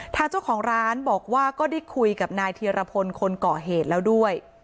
ทางเจ้าของร้านบอกว่าก็ได้คุยกับนายธีรพลคนก่อเหตุแล้วด้วย